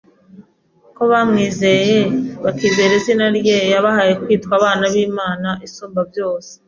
kubamwizeye, bakizera izina rye yabahaye kwitwa abana b’Imana isumba byose”